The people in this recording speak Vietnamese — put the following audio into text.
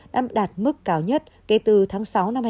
đã đạt mức cao nhất kể từ tháng sáu năm hai nghìn hai mươi